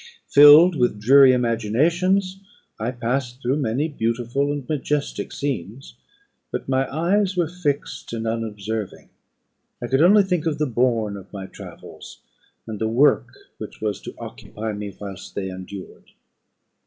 Filled with dreary imaginations, I passed through many beautiful and majestic scenes; but my eyes were fixed and unobserving. I could only think of the bourne of my travels, and the work which was to occupy me whilst they endured.